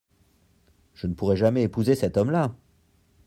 Je ne pourrai jamais épouser cet homme-là !